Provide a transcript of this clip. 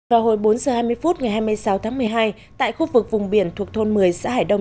vào hồi bốn h hai mươi phút ngày hai mươi sáu tháng một mươi hai tại khu vực vùng biển thuộc thôn một mươi xã hải đông